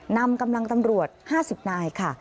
นำกำลังตำรวจ๕๐นายค่ะ